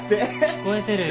聞こえてるよ。